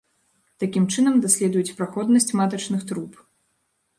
Такім чынам даследуюць праходнасць матачных труб.